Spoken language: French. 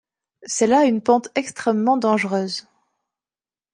C’est là une pente extrêmement dangereuse.